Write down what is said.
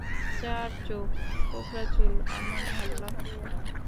চার চোখ, কোকড়া চুল, আমার ভাল্লাগছে।